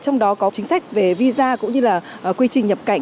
trong đó có chính sách về visa cũng như là quy trình nhập cảnh